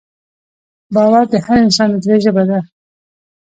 باور د هر انسان د زړه ژبه ده.